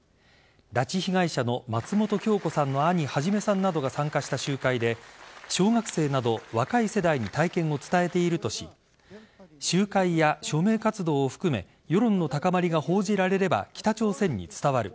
拉致被害者の松本京子さんの兄孟さんなどが参加した集会で小学生など若い世代に体験を伝えているとし集会や署名活動を含め世論の高まりが報じられれば北朝鮮に伝わる。